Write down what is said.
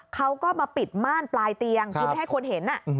เขาก็มาปิดม่านปลายเตียงคือไม่ให้คนเห็น